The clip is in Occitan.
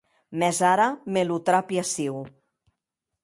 Mès ara me lo trapi aciu.